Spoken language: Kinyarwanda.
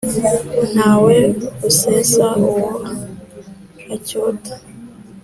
Ntawe usesa uwo acyota.